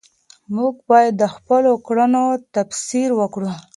موږ باید د خپلو کړنو تفسیر وکړو.